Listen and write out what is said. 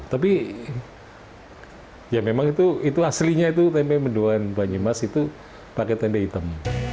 tapi ya memang itu aslinya itu tempe mendoan banyumas itu pakai tempe hitam